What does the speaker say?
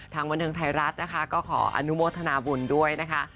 บันเทิงไทยรัฐนะคะก็ขออนุโมทนาบุญด้วยนะคะ